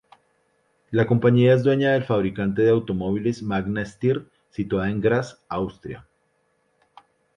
La compañía es dueña del fabricante de automóviles Magna Steyr situado en Graz, Austria.